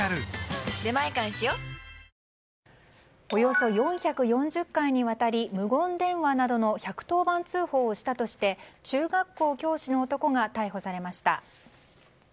およそ４４０回にわたり無言電話などの１１０番通報をしたとして中学校教師の男が逮捕されました。